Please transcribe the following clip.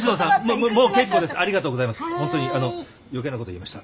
ありがとうございます。